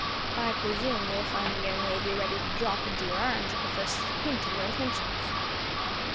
"I presume you will find the young lady ready to drop into your arms at the first hint of your intentions."